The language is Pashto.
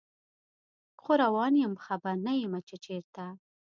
خو روان یم خبر نه یمه چې چیرته